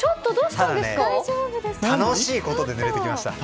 ただ楽しいことでぬれてきました。